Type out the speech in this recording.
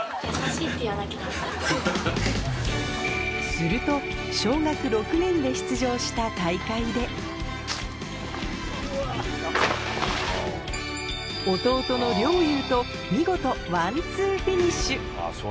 すると小学６年で出場した大会で弟の陵侑と見事ワンツーフィニッシュ！